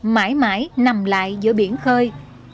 mãi mãi nằm lại giữa biển khơi